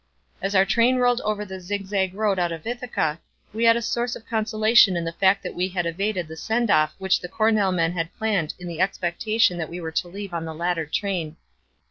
As our train rolled over the zig zag road out of Ithaca, we had a source of consolation in the fact that we had evaded the send off which the Cornell men had planned in the expectation that we were to leave on the later train.